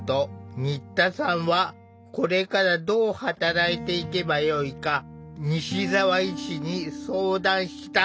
新田さんは「これからどう働いていけばよいか」西澤医師に相談した。